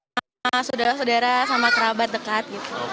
sama saudara saudara sama kerabat dekat gitu